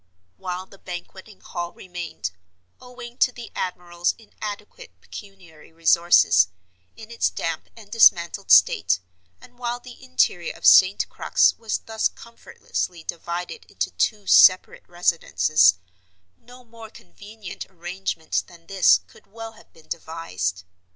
While the Banqueting Hall remained—owing to the admiral's inadequate pecuniary resources—in its damp and dismantled state, and while the interior of St. Crux was thus comfortlessly divided into two separate residences, no more convenient arrangement than this could well have been devised.